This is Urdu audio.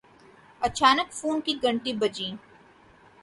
اچانک فون کی گھنٹی بجی